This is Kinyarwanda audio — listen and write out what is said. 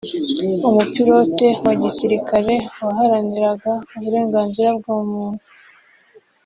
Umupilote wa gisirikare waharaniraga uburenganzira bwa muntu